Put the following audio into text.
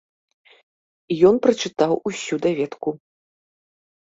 Ён прачытаў усю даведку.